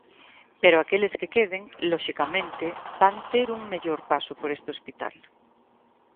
Pero aqueles que queden, loxicamente, van ter un mellor paso por este hospital.